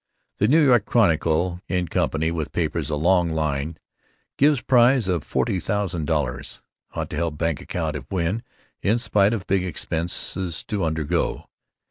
The New York Chronicle in company with papers along line gives prize of $40,000. Ought to help bank account if win, in spite of big expenses to undergo.